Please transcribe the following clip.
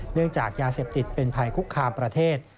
จากยาเสพติดเป็นภัยคุกคามประเทศ